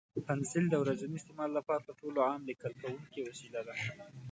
پنسل د ورځني استعمال لپاره تر ټولو عام لیکل کوونکی وسیله ده.